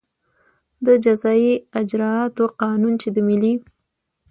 د جزایي اجراآتو قانون چې د ملي